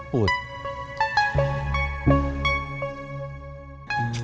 kan indra yang jemput